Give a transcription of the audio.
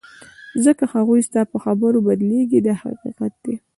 ځکه هغوی ستا په خبرو بدلیږي دا حقیقت دی.